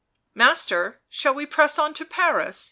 "Master, shall we press on to Paris?"